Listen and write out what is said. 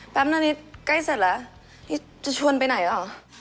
แป๊บนานนี้ใกล้เสร็จแล้วนี่จะชวนไปไหนหรอ